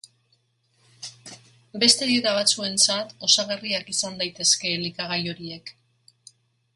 Beste dieta batzuentzat osagarriak izan daitezke elikagai horiek.